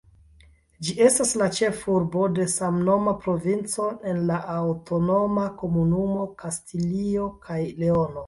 Ĝi estas la ĉefurbo de samnoma provinco en la aŭtonoma komunumo Kastilio kaj Leono.